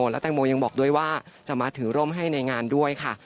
และแตงโมยังบอกด้วยว่าจะมาถือร่มให้ในงานด้วยค่ะ